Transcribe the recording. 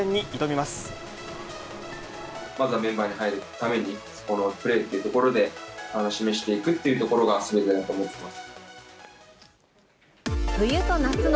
まずはメンバーに入るために、そこのプレーっていうところで示していくっていうところがすべてだと思っています。